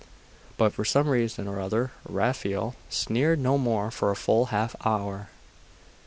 But, for some reason or other, Raphael sneered no more for a full half hour.